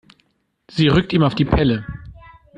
Sie rückt ihm auf die Pelle.